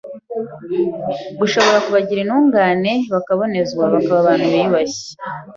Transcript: gushobora kubagira intungane, bakabonezwa, bakaba abantu biyubashye